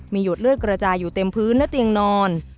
มีหยดเลือดกระจายอยู่เต็มพื้นและเตียงนอน